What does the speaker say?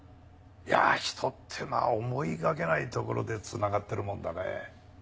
いやぁ人ってのは思いがけないところでつながってるもんだね。